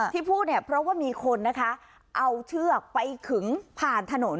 ที่พูดเนี่ยเพราะว่ามีคนนะคะเอาเชือกไปขึงผ่านถนน